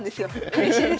うれしいです。